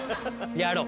やろう。